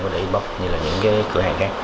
để bóc như là những cái cửa hàng khác